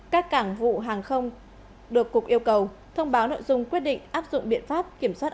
các cảng vụ hàng không được cục yêu cầu thông báo nội dung quyết định áp dụng biện pháp kiểm soát